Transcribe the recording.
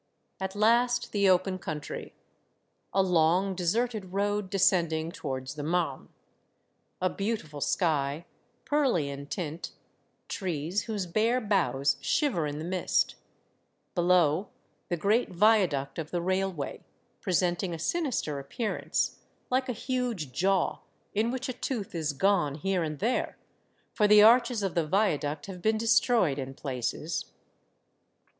At last the open country. A long, deserted road descending towards the Marne. A beautiful sky, pearly in tint, trees whose bare boughs shiver in the mist ; below, the great viaduct of the railway, presenting a sinister appearance, like a huge jaw in which a tooth is gone here and there, for the arches of the viaduct have been destroyed in places.